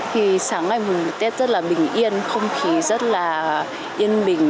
thì sáng ngày mùng một tết rất là bình yên không khí rất là yên bình